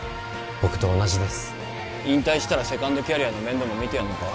僕と同じです引退したらセカンドキャリアの面倒も見てやんのか？